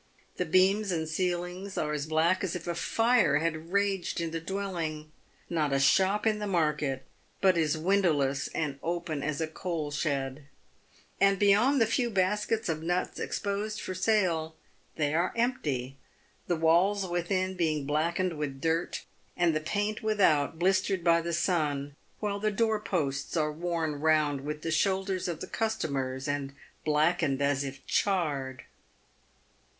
The beams and ceilings are as black as if a fire had raged in the dwelling — not a shop in the market but is win dowless and open as a coal shed — and beyond the few baskets of nuts exposed for sale, they are empty, the walls within being blackened with dirt, and the paint without blistered by the sun, while the door posts are worn round with the shoulders of the customers, and blackened as if charred.